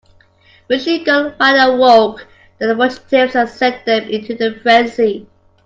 Machine gun fire awoke the fugitives and sent them into a frenzy.